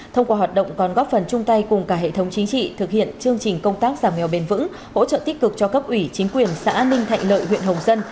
thông qua hoạt động còn góp phần chung tay cùng cả hệ thống chính trị thực hiện chương trình công tác giảm nghèo bền vững hỗ trợ tích cực cho cấp ủy chính quyền xã ninh thạnh lợi huyện hồng dân